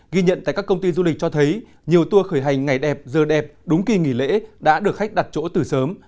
ghi nhận tại các công ty du lịch cho thấy nhiều tour khởi hành ngày đẹp giờ đẹp đúng kỳ nghỉ lễ đã được khách đặt chỗ từ sớm